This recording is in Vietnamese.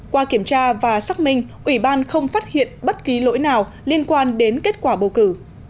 qua kiểm tra và xác minh ủy ban không phát hiện bất kỳ lỗi nào liên quan đến kết quả bầu cử